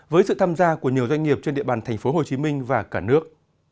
với sự tham gia của nhiều doanh nghiệp trên địa bàn tp hcm và cả nước